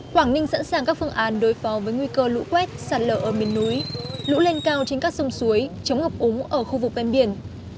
quảng ninh sẵn sàng các phương án đối phó với nguy cơ lũ quét sạt lở ở miền núi lũ lên cao trên các sông suối chống ngập úng ở khu vực ven biển